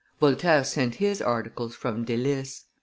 Voltaire sent his articles from Delices.